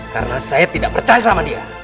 karena saya tidak percaya sama dia